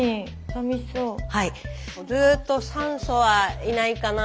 ずっと「酸素はいないかな。